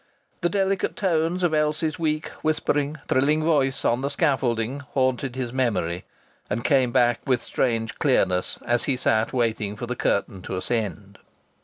The delicate tones of Elsie's weak, whispering, thrilling voice on the scaffolding haunted his memory, and came back with strange clearness as he sat waiting for the curtain to ascend.